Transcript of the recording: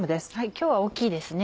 今日は大きいですね。